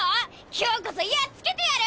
今日こそやっつけてやる！